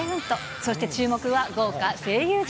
そして注目は、豪華声優陣。